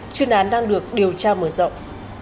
chuyên án đang được điều tra mở rộng